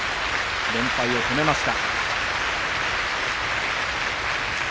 連敗を止めました。